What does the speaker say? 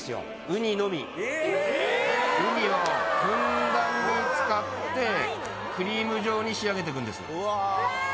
ウニをふんだんに使ってクリーム状に仕上げていくんです